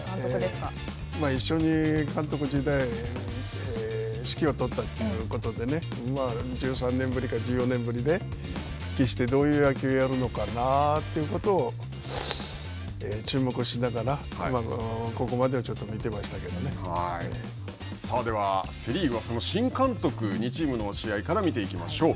一緒に監督時代、指揮を執ったということで、１３年ぶりか１４年ぶりで復帰して、どういう野球をやるのかなということを注目しながら、ここまでをちょっと見てまでは、セ・リーグはその新監督、２チームの試合から見ていきましょう。